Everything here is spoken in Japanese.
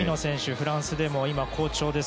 フランスでも今、好調です。